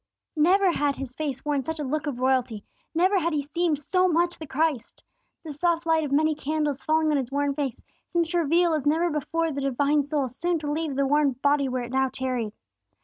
Never had His face worn such a look of royalty; never had He seemed so much the Christ. The soft light of many candles falling on His worn face seemed to reveal as never before the divine soul soon to leave the worn body where it now tarried.